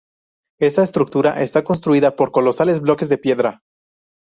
Esta estructura está constituida por colosales bloques de piedra.